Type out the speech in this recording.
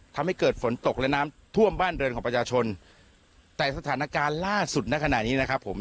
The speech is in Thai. ทำให้เกิดฝนตกและน้ำท่วมบ้านเรือนของประชาชนแต่สถานการณ์ล่าสุดในขณะนี้นะครับผม